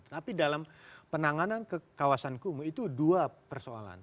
tapi dalam penanganan ke kawasan kumuh itu dua persoalan